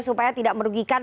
supaya tidak merugikan